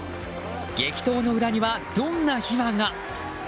激闘の裏にはどんな秘話が。